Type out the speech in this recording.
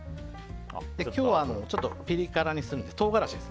今日はピリ辛ですので唐辛子を。